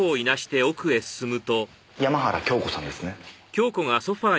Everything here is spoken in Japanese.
山原京子さんですね？